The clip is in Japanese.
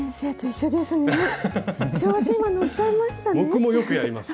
僕もよくやります。